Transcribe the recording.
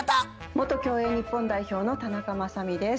元競泳日本代表の田中雅美です。